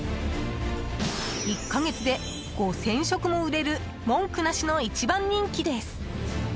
１か月で５０００食も売れる文句なしの一番人気です。